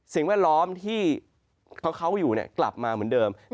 แวดล้อมที่เขาอยู่กลับมาเหมือนเดิม